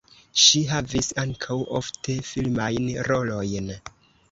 Ŝi havis ankaŭ ofte filmajn rolojn.